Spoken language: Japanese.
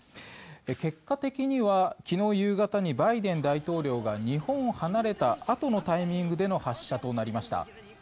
結果的には昨日夕方にバイデン大統領が日本を離れたあとのタイミングでの発射となりました。